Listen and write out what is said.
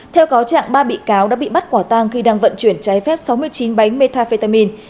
theo cáo trạng ba bị cáo đã bị bắt quả tang khi đang vận chuyển trái phép sáu mươi chín bánh metafetamin